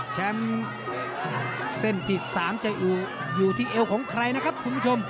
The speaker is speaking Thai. แชมป์เส้นที่๓จะอยู่ที่เอวของใครนะครับคุณผู้ชม